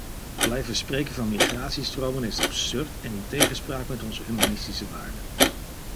Blijven spreken van migratiestromen is absurd en in tegenspraak met onze humanistische waarden.